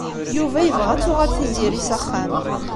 Yuba yebɣa ad tuɣal Tiziri s axxam.